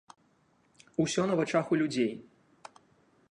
Усё на вачах у людзей.